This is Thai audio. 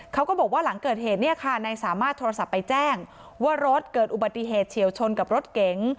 เขาก็บอกว่าหลังเกิดเหตุเนี่ยค่ะนายสามารถโทรศัพท์ไปแจ้งว่ารถเกิดอุบัติเหตุเฉียวชนกับรถเก๋ง